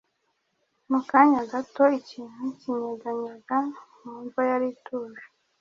Mu kanya gato ikintu kinyeganyega mu mva yari ituje,